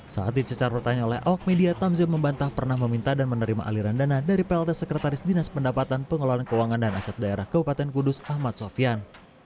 saat dicecar pertanyaan oleh awak media tamzil membantah pernah meminta dan menerima aliran dana dari plt sekretaris dinas pendapatan pengelolaan keuangan dan aset daerah kabupaten kudus ahmad sofian